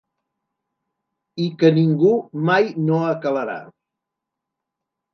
I que ningú mai no acalarà.